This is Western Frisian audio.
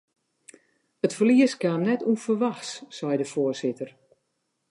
It ferlies kaam net ûnferwachts, seit de foarsitter.